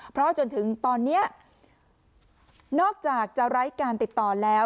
เพราะจนถึงตอนนี้นอกจากจะไร้การติดต่อแล้ว